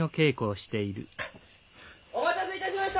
・お待たせいたしました！